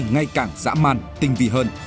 ngay càng dã man tinh vi hơn